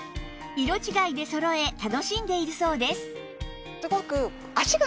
色違いでそろえ楽しんでいるそうです